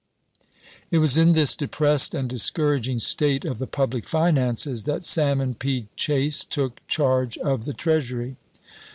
It was in this depressed and discouraging state of the public finances that Salmon P. Chase took charge of the Treasury.